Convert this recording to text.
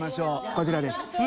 こちらです。